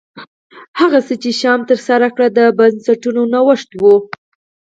هغه څه چې شیام ترسره کړل د بنسټونو نوښت و